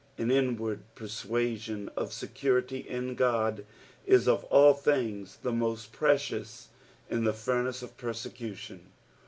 An inward persuseiun of security in God is ot all things the most precious in tho furnace of persecution.